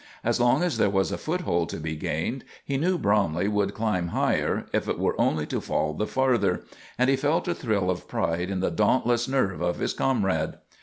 As long as there was a foothold to be gained, he knew Bromley would climb higher, if it were only to fall the farther, and he felt a thrill of pride in the dauntless nerve of his comrade.